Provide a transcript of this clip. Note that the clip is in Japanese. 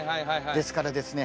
ですからですね